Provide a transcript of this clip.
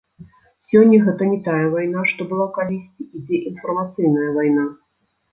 Сёння гэта не тая вайна, што была калісьці, ідзе інфармацыйная вайна.